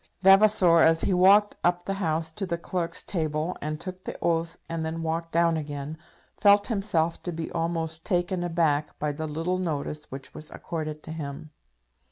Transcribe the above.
Vavasor, as he walked up the House to the Clerk's table and took the oath and then walked down again, felt himself to be almost taken aback by the little notice which was accorded to him.